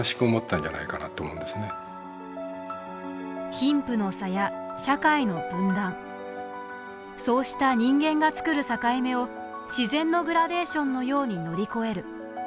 貧富の差や社会の分断そうした人間が作る境目を自然のグラデーションのように乗り越える。